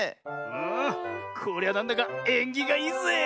うん。こりゃなんだかえんぎがいいぜえ。